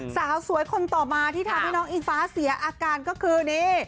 สาวสวยคนต่อมาที่ทำให้น้องอิงฟ้าเสียอาการก็คือนี่